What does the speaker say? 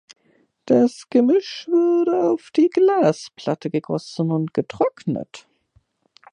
Das Gemisch wurde auf die Glasplatte gegossen und getrocknet.